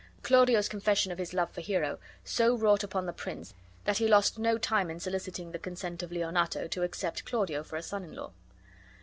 Claudio's confession of his love for Hero so wrought upon the prince that be lost no time in soliciting the consent of Leonato to accept of Claudio for a son in law.